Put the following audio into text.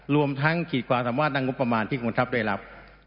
รวมทั้งขีดความสามารถด้านงบประมาณที่กองทัพได้รับ